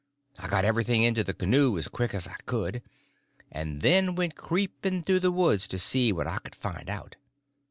I got everything into the canoe as quick as I could, and then went creeping through the woods to see what I could find out.